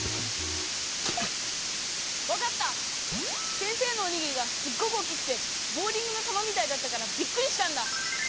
先生のおにぎりがすっごく大きくてボウリングの球みたいだったからびっくりしたんだ！